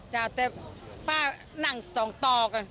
จะเต็มพ่อนั่งสองต่อกัน